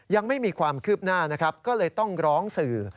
ยังไม่มีความคืบหน้านะครับก็เลยต้องร้องสื่อ